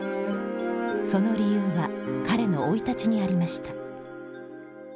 その理由は彼の生い立ちにありました。